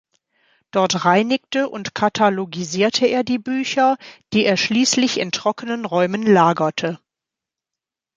Dort reinigte und katalogisierte er die Bücher, die er schließlich in trockenen Räumen lagerte.